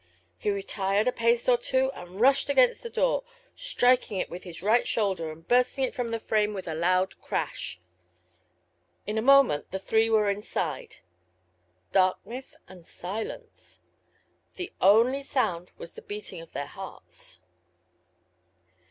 He retired a pace or two and rushed against the door, striking it with his right shoulder and bursting it from the frame with a loud crash. In a moment the three were inside. Darkness and silence! The only sound was the beating of their hearts.